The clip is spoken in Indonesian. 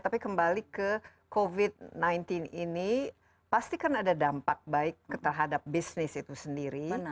tapi kembali ke covid sembilan belas ini pasti kan ada dampak baik terhadap bisnis itu sendiri